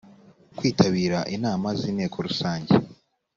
kwitabira inama z inteko rusange